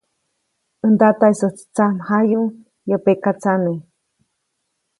Ndataʼisäjtsi tsamjayu yäʼ pekatsame,.